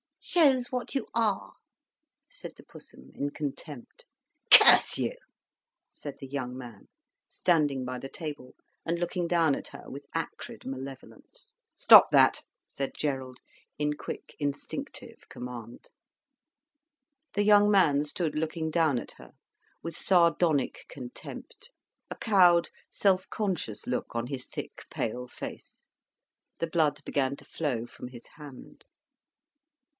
"Show's what you are," said the Pussum in contempt. "Curse you," said the young man, standing by the table and looking down at her with acrid malevolence. "Stop that," said Gerald, in quick, instinctive command. The young man stood looking down at her with sardonic contempt, a cowed, self conscious look on his thick, pale face. The blood began to flow from his hand.